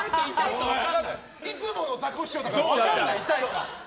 いつものザコシショウだから分かんない、痛いか。